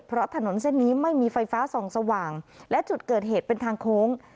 เพราะถนนเส้นนี้ไม่มีไฟฟ้าส่องสว่างและจุดเกิดเหตุเป็นทางโค้ง